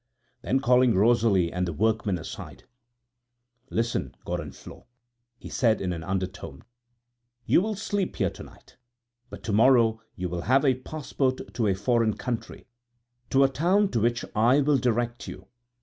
Then calling Rosalie and the workman aside: "Listen, Gorenflot," he said in an undertone, "you will sleep here to night. But to morrow you will have a passport to a foreign country, to a town to which I will direct you.